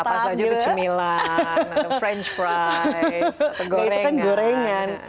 apa saja itu cemilan atau french fries atau gorengan